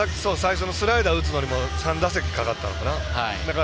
スライダーを打つのにも３打席かかったのかな